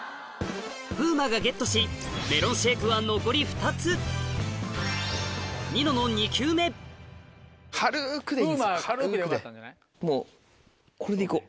風磨がゲットしメロンシェークはもうこれでいこう。